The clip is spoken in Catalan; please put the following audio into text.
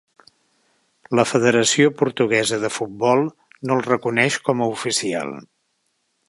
La Federació Portuguesa de Futbol no el reconeix com a oficial.